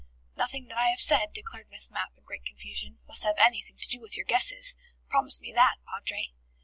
"Nothing that I have said," declared Miss Mapp in great confusion, "must have anything to do with your guesses. Promise me that, Padre."